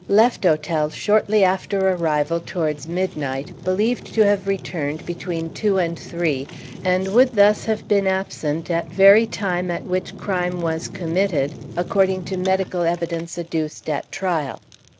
Left hotel shortly after arrival towards midnight, believed to have returned between two and three, and would thus have been absent at very time at which crime was committed according to medical evidence adduced at trial.